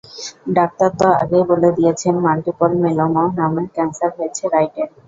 Doctor তো আগেই বলে দিয়েছেন, মাল্টিপল মেলোমা নামের ক্যানসার হয়েছে রাইটের।